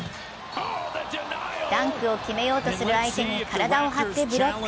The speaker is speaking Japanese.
ダンクを決めようとする相手に体を張ってブロック。